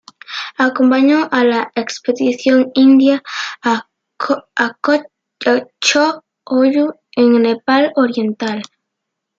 Acompañó a la "Expedición India" a Cho-Oyu en Nepal oriental.